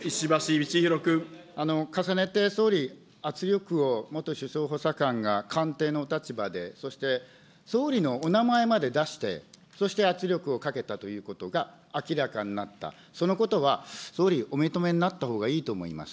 重ねて総理、圧力を元首相補佐官が官邸の立場で、そして総理のお名前まで出して、そして圧力をかけたということが明らかになった、そのことは総理、お認めになったほうがいいと思います。